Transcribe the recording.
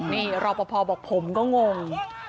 นี่รอบพ่อบอกผมก็งง